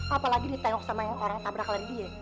apalagi ditengok sama orang yang nabrak lari dia